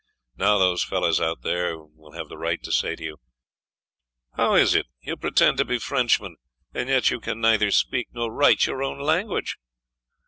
Now those fellows out there will have the right to say to you: 'How is it; you pretend to be Frenchmen, and yet you can neither speak nor write your own language?'